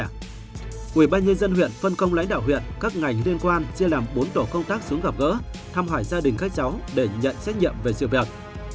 chủ tịch ubnd huyện phân công lãnh đạo huyện các ngành liên quan chia làm bốn tổ công tác xuống gặp gỡ thăm hỏi gia đình các cháu để nhận trách nhiệm về sự việc